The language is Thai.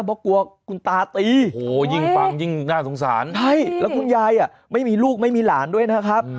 เพราะกลัวคุณตาตีโอ้โหยิ่งฟังยิ่งน่าสงสารใช่แล้วคุณยายไม่มีลูกไม่มีหลานด้วยนะครับ